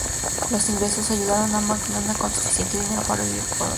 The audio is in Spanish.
Los ingresos ayudaron a McGonagall con suficiente dinero para vivir por un tiempo.